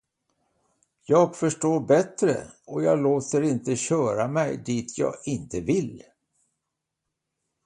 Jag förstår bättre, och jag låter inte köra mig, dit jag inte vill.